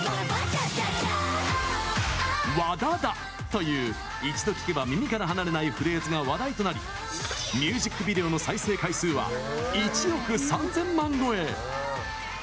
「ＷＡＤＡＤＡ」という一度聴けば耳から離れないフレーズが話題となりミュージックビデオの再生回数は１億３０００万超え。